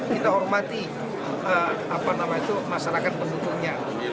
kita hormati masyarakat pendukungnya